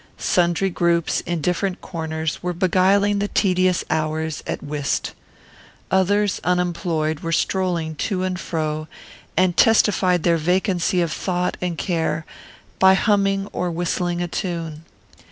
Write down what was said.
Sundry groups, in different corners, were beguiling the tedious hours at whist. Others, unemployed, were strolling to and fro, and testified their vacancy of thought and care by humming or whistling a tune.